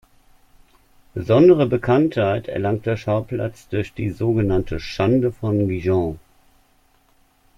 Besondere Bekanntheit erlangte der Schauplatz durch die sogenannte Schande von Gijón.